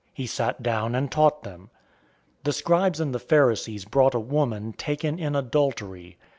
He sat down, and taught them. 008:003 The scribes and the Pharisees brought a woman taken in adultery.